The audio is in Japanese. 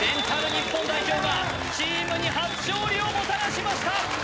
日本代表がチームに初勝利をもたらしました